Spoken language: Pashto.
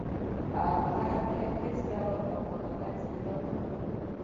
هغه د هیڅ ډول فوق العاده استعداد نه درلود.